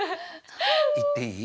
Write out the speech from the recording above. いっていい？